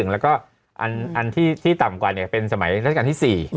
แล้วก็อันที่ต่ำกว่าเป็นสมัยราชการที่๔